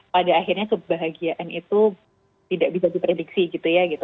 pada akhirnya kebahagiaan itu tidak bisa diprediksi gitu ya gitu